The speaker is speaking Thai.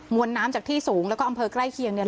วนน้ำจากที่สูงแล้วก็อำเภอใกล้เคียงเนี่ย